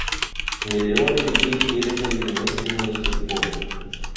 Миллионы людей пережили немыслимую судьбу.